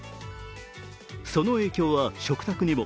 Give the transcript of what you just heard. その影響は食卓にも。